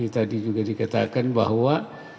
tadi juga dikatakan bahwa